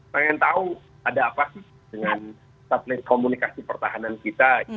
pengen tahu ada apa sih dengan satelit komunikasi pertahanan kita